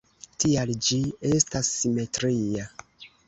Tial ĝi estas simetria.